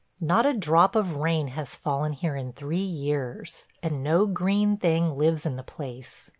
Not a drop of rain has fallen here in three years, and no green thing lives in the place.